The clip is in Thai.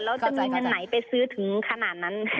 แล้วจะมีคันไหนไปซื้อถึงขนาดนั้น